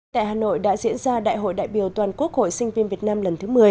tại hà nội đã diễn ra đại hội đại biểu toàn quốc hội sinh viên việt nam lần thứ một mươi